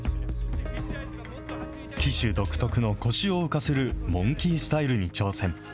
騎手独特の腰を浮かせるモンキースタイルに挑戦。